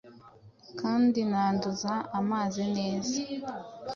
Kandi nanduza amazi neza,